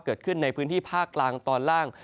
เกิดขึ้นในพื้นที่ภาคกลางตอนล่าง